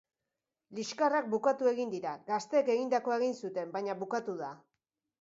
Liskarrak bukatu egin dira, gazteek egindakoa egin zuten, baina bukatu da.